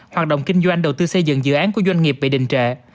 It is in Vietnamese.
hoạt động kinh doanh đầu tư xây dựng dự án của doanh nghiệp bị đình trệ